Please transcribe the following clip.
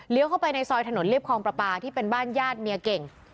เข้าไปในซอยถนนเรียบคลองประปาที่เป็นบ้านญาติเมียเก่ง